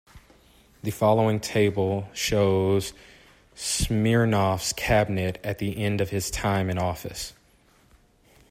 The following table shows Smirnov's cabinet at the end of his time in office.